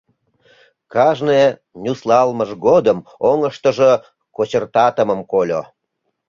Кажне нюслалмыж годым оҥыштыжо кочыртатымым кольо.